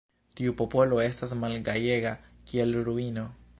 Tiu popolo estas malgajega, kiel ruino.